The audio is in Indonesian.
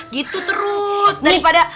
gitu terus daripada